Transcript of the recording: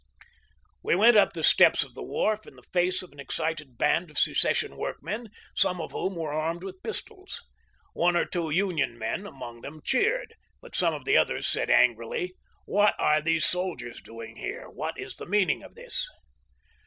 We went up the steps of the wharf in the face of an excited band of seces sion workmen, some of whom were armed with pistols. One or two Union men among them cheered, but some of the others said angrily :" What are these soldiers doing here ? what is the meaning of this